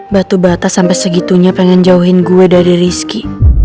batu bata sampai segitunya pengen jauhin gue dari rizki